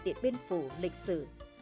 điện bên phủ lịch sử